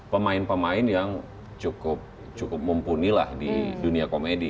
pemain pemain yang cukup mumpuni lah di dunia komedi